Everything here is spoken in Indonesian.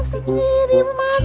gak tau sendiri emak